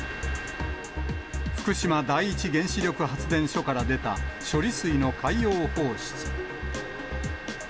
福島第一原子力発電所から出た処理水の海洋放出。